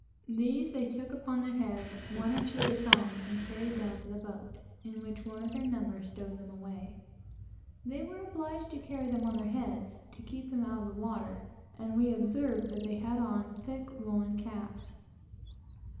These they took upon their heads, one or two at a time, and carried down to the boat, where one of their number stowed them away. They were obliged to carry them on their heads, to keep them out of the water, and we observed that they had on thick woolen caps.